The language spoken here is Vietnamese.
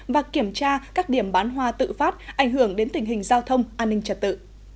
và kiểm tra các điểm bán hoa tự phát ảnh hưởng đến tình hình giao thông an ninh trật tự